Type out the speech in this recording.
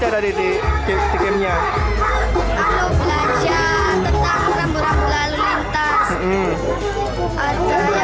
ada yang berkenti ada yang berlalu kenti